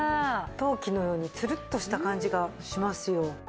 陶器のようにツルッとした感じがしますよ。